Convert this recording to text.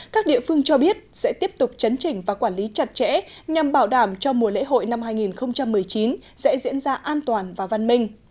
các địa phương cho biết sẽ tiếp tục chấn chỉnh và quản lý chặt chẽ nhằm bảo đảm cho mùa lễ hội năm hai nghìn một mươi chín sẽ diễn ra an toàn và văn minh